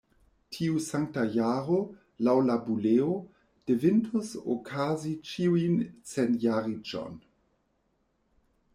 Tiu Sankta Jaro, laŭ la buleo, devintus okazi ĉiujn centjariĝon.